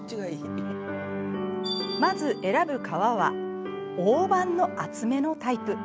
まず選ぶ皮は大判の厚めのタイプ。